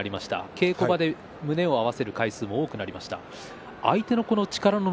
稽古場で胸を合わせる回数も多くなりました。